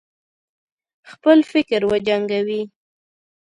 خپل فکر وجنګوي.